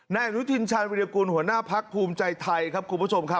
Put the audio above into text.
นายอนุทินชาญวิรากุลหัวหน้าพักภูมิใจไทยครับคุณผู้ชมครับ